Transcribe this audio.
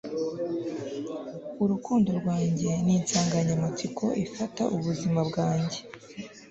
urukundo rwanjye ninsanganyamatsiko ifata ubuzima bwanjye